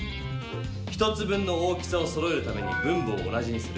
１つ分の大きさをそろえるために分母を同じにする。